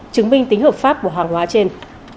chứng minh tính hợp pháp của hàng hóa trên